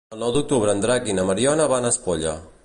El nou d'octubre en Drac i na Mariona van a Espolla.